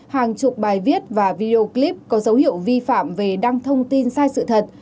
hàng chục bài viết và video clip có dấu hiệu vi phạm về đăng thông tin sai sự thật